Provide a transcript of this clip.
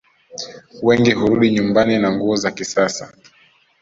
Wengi hurudi nyumbani na nguo za kisasa